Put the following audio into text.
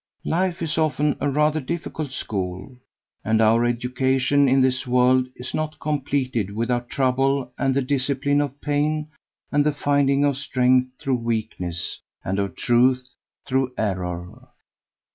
Life is often a rather difficult school, and our education in this world is not completed without trouble and the discipline of pain and the finding of strength through weakness and of truth through error.